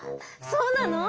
そうなの？